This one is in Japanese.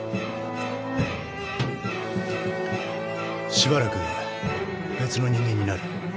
しばらく別の人間になる。